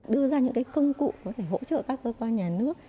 đưa ra những cái công cụ có thể hỗ trợ các cơ quan nhà nước